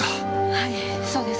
はいそうですけど。